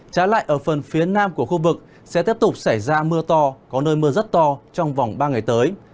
trái lại ở phần phía nam của khu vực sẽ tiếp tục xảy ra mưa to có nơi mưa rất to trong vòng ba ngày tới